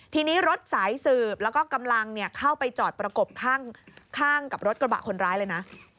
ทีนี้รถสายสืบแล้วก็กำลังเข้าไปจอดประกบข้างกับรถกระบะคนร้ายเลยนะ